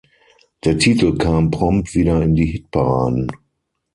Der Titel kam prompt wieder in die Hitparaden.